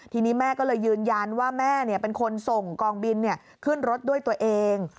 ทีนี้แม่ก็เลยยืนยันว่าแม่เป็นคนส่งกองบินขึ้นรถด้วยตัวเอง